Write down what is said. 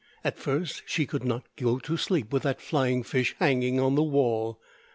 At first she could not go to sleep with that flying fish hanging on the wall.